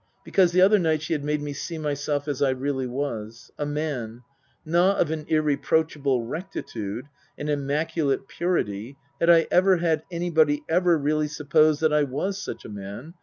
Because, the other night she had made me see myself as I really was a man, not of an irreproachable rectitude, an immaculate purity (had I ever, had anybody ever really supposed that I was such a man